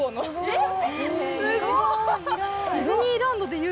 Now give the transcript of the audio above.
えっ！